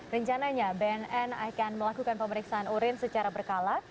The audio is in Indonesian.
rencananya bnn akan melakukan pemeriksaan urin secara berkala